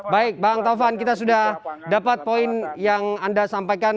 baik bang taufan kita sudah dapat poin yang anda sampaikan